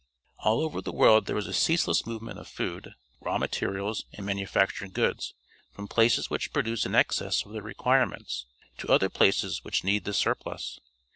All over the world there is a ceaseless movement of food, raw materials, and manufactured goods, from places which produce in excess of their requirements, to other places which need this surplus.